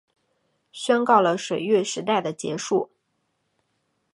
宣告了水运时代的结束